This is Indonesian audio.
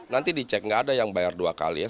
nanti dicek nggak ada yang bayar dua kali ya